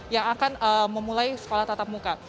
yang akan memulai sekolah tatap muka